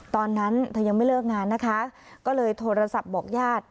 ตอนนั้นเธอยังไม่เลิกงานนะคะก็เลยโทรศัพท์บอกญาติ